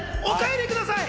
お帰りください。